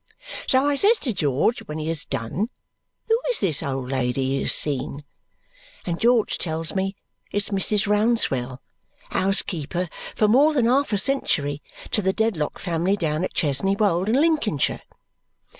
So I says to George when he has done, who is this old lady he has seen? And George tells me it's Mrs. Rouncewell, housekeeper for more than half a century to the Dedlock family down at Chesney Wold in Lincolnshire.